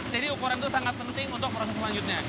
jadi ukuran itu sangat penting untuk proses selanjutnya